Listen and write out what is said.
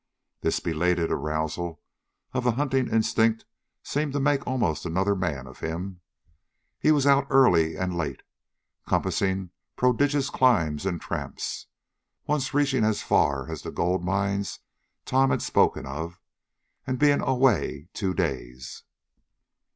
This belated arousal of the hunting instinct seemed to make almost another man of him. He was out early and late, compassing prodigious climbs and tramps once reaching as far as the gold mines Tom had spoken of, and being away two days.